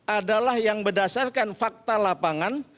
adalah yang berdasarkan fakta lapangan